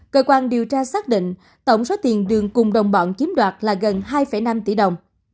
cơ quan điều tra xác định tổng số tiền đường cùng đồng bọn chiếm đoạt là gần hai năm tỷ đồng